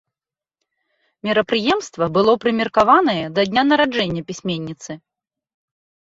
Мерапрыемства было прымеркаванае да дня нараджэння пісьменніцы.